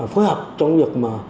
phối hợp trong việc